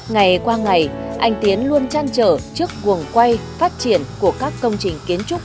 ngày qua ngày anh tiến luôn trăn trở trước quần quay phát triển của các công trình kiến trúc